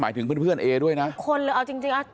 ถึงเพื่อนเพื่อนเอด้วยนะคนเลยเอาจริงจริงอ่ะ